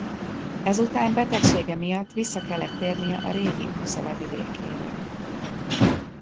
Ezután betegsége miatt vissza kellett térnie a Régi Uppsala vidékére.